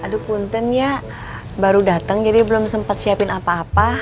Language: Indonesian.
aduh punten ya baru dateng jadi belum sempat siapin apa apa